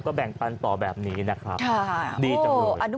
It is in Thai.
แบ่งปันต่อแบบนี้นะครับดีจังเลย